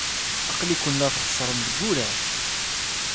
Aql-iken la txeṣṣrem deg wurar.